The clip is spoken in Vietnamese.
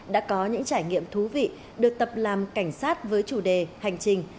đã có những trải nghiệm thú vị được tập làm cảnh sát với chủ đề hành trình